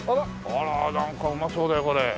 あらなんかうまそうだよこれ。